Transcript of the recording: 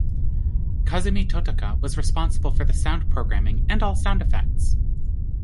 Kazumi Totaka was responsible for the sound programming and all sound effects.